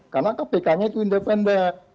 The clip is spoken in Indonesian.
karena kpk nya itu independen